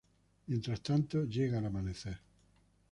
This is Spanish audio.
Mientras tanto, llega el amanecer.